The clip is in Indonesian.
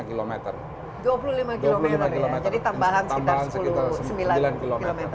dua puluh lima km ya jadi tambahan sekitar sembilan km lagi